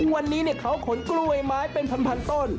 วันนี้เขาขนกล้วยไม้เป็นพันต้น